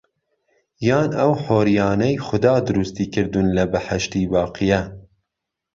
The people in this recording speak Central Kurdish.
يان ئهو حۆرییانهیه خودا دروستی کردوون له بهحهشتی باقییه